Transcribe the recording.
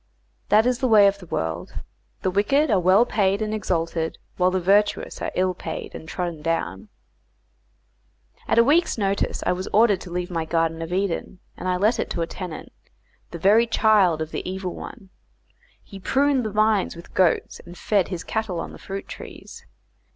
That is the way of this world; the wicked are well paid and exalted, while the virtuous are ill paid and trodden down. At a week's notice I was ordered to leave my Garden of Eden, and I let it to a tenant, the very child of the Evil One. He pruned the vines with goats and fed his cattle on the fruit trees.